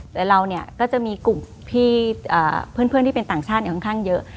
แต่เราก็จะมีกลุ่มพี่เพื่อนที่เป็นต่างชาติเนี่ยค่อนข้างเยอะ